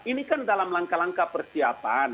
ini kan dalam langkah langkah persiapan